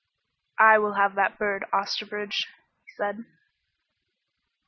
"I will have that bird, Osterbridge," he said.